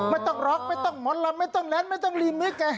ไม่ต้องล็อกไม่ต้องหมอนลำไม่ต้องแลนดไม่ต้องรีมให้แก